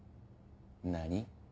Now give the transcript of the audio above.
何？